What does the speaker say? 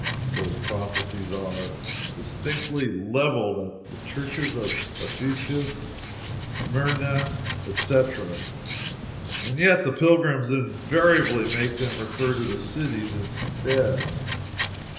Those "prophecies" are distinctly leveled at the "churches of Ephesus, Smyrna," etc., and yet the pilgrims invariably make them refer to the cities instead.